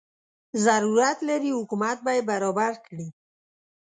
ضرورت لري حکومت به یې برابر کړي.